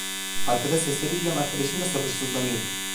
Arkada sesleri duyan arkadaşım da sabırsızlanıyordu.